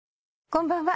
こんばんは。